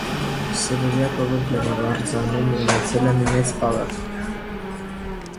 Սեբրյակովը գյուղարվարձանում ունեցել է մի մեծ պալատ։